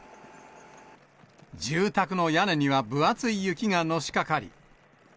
住宅の屋根には分厚い雪がのしかかり。